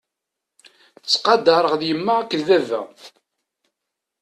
Ttqadareɣ yemma akked baba.